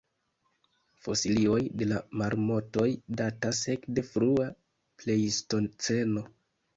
Fosilioj de la marmotoj datas ekde frua plejstoceno.